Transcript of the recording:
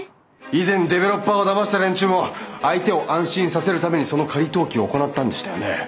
以前デベロッパーをだました連中も相手を安心させるためにその仮登記を行ったんでしたよね。